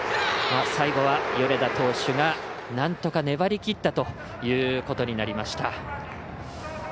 最後は、米田投手がなんとか粘りきったということになりました。